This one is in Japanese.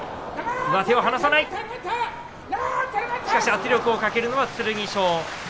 圧力をかけるのは剣翔。